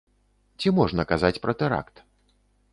Ці можна казаць пра тэракт?